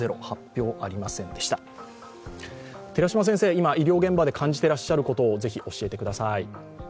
今、医療現場で感じていることを教えてください。